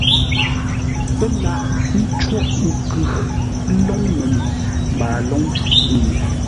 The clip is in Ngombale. PƏ́ laghʼ ńcôghʼ nkʉ lóŋ məmbî mbaa lóŋ kúnye.